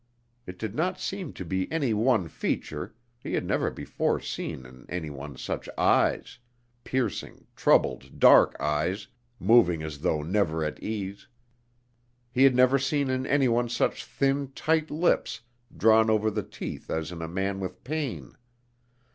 It did not seem to be any one feature, he had never before seen in anyone such eyes; piercing, troubled dark eyes, moving as though never at ease; he had never seen in anyone such thin, tight lips drawn over the teeth as in a man with pain.